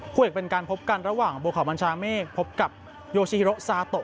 คู่เอกเป็นการพบกันระหว่างบัวเขาบัญชาเมฆพบกับโยชิฮิโรซาโตะ